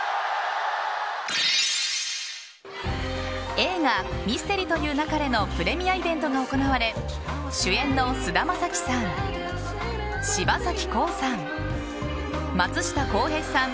映画「ミステリと言う勿れ」のプレミアイベントが行われ主演の菅田将暉さん柴咲コウさん、松下洸平さん